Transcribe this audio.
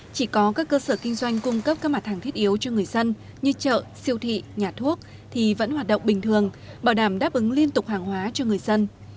chỉ có các cơ sở kinh doanh cung cấp các mặt hàng thiết yếu cho người dân như chợ siêu thị nhà thuốc thì vẫn hoạt động bình thường bảo đảm đáp ứng liên tục hàng hóa cho người dân